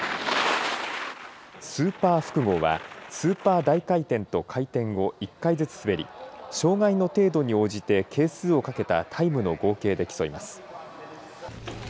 スーパー複合は、スーパー大回転と回転を１回ずつ滑り、障害の程度に応じて、係数をかけたタイムの合計で競います。